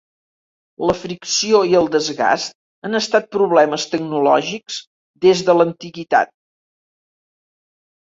La fricció i el desgast han estat problemes tecnològics des de l'antiguitat.